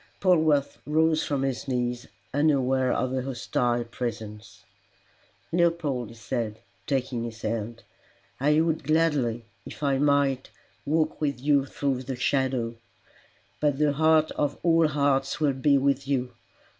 Polwarth rose from his knees unaware of a hostile presence. "Leopold," he said, taking his hand, "I would gladly, if I might, walk with you through the shadow. But the heart of all hearts will be with you.